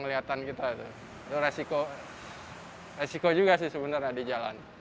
itu resiko juga sebenarnya di jalan